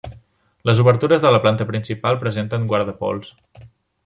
Les obertures de la planta principal presenten guardapols.